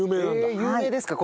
有名ですか？